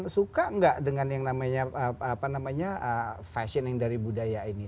suka nggak dengan yang namanya fashion yang dari budaya ini